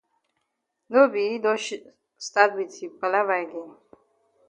No be yi don stat wit yi palava again.